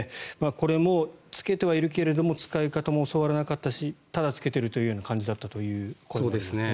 これも着けてはいるけれど使い方も教わらなかったしただ着けているという感じだったという声もありますね。